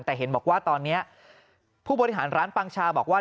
แต่เห็นบอกว่าตอนนี้ผู้บริหารร้านปังชาบอกว่า